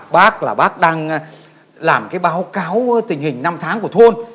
bác là bác đang làm cái báo cáo tình hình năm tháng của thôn